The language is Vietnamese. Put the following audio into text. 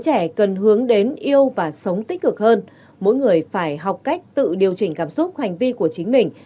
trẻ cần hướng đến yêu và sống tích cực hơn mỗi người phải học cách tự điều chỉnh cảm xúc hành vi của chính mình